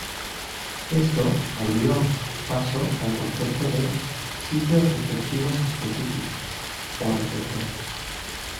Esto abrió paso al concepto de "sitios receptivos específicos", o receptores.